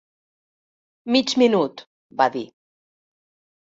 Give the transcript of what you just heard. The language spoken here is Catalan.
"Mig minut", va dir.